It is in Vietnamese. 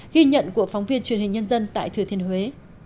ghi nhận của phóng viên truyền hình nhân dân tại thừa thiên huế